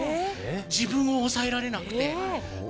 自分を抑えられなくて。